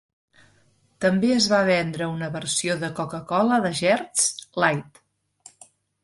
També es va vendre una versió de Coca-Cola de gerds light.